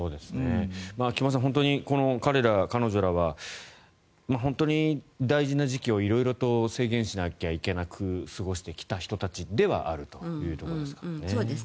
菊間さん、彼ら、彼女らは本当に大事な時期を色々と制限しなきゃいけなく過ごしてきた人たちではあるというところですかね。